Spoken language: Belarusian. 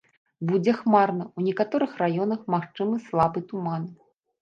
Будзе хмарна, у некаторых раёнах магчымы слабы туман.